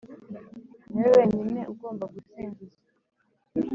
Ni we wenyine ugomba gusingiza.